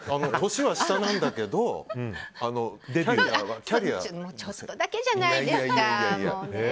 年は下なんだけどちょっとだけじゃないですか。